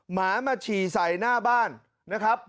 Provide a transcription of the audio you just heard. หมามาฉี่ใส่หน้าบ้านนะครับ